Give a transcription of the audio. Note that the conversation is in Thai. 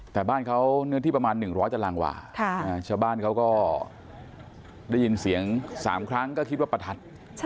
แต่บ้านเขาเนื้อที่ประมาณ๑๐๐ตารางวาชาวบ้านเขาก็ได้ยินเสียง๓ครั้งก็คิดว่าประทัด